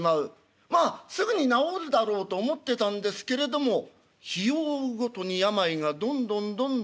まあすぐに治るだろうと思ってたんですけれども日を追うごとに病がどんどんどんどん重たくなる。